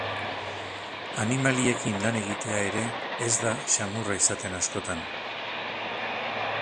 Animaliekin lan egitea ere ez da samurra izaten askotan.